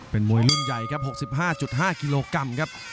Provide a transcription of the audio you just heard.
เป็นมวยรุ่นใหญ่ครับ๖๕๕กิโลกรัมครับ